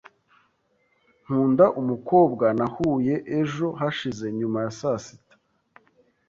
Nkunda umukobwa nahuye ejo hashize nyuma ya saa sita.